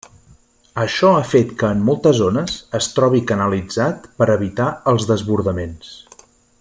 Això ha fet que en moltes zones es trobi canalitzat per evitar els desbordaments.